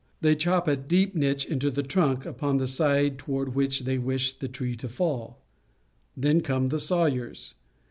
They chop a deep niche into the trunk upon the side toward which they wish the tree to fall. Then come the sawyers.